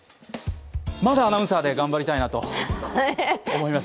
まだアナウンサーで頑張りたいなと思います。